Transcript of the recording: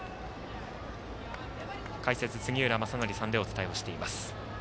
解説、杉浦正則さんでお伝えしています。